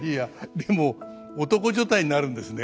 でも男所帯になるんですね。